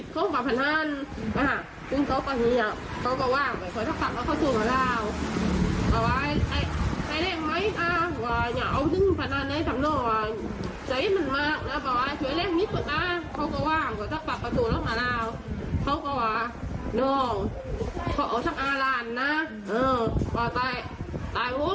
พอสักอาหลานนะเออแต่ตายแต่หัวอาจารย์